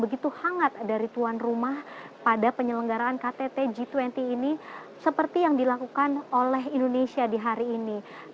begitu hangat dari tuan rumah pada penyelenggaraan ktt g dua puluh ini seperti yang dilakukan oleh indonesia di hari ini